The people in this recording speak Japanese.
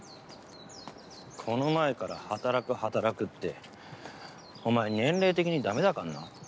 この前から「働く働く」ってお前年齢的に駄目だからな。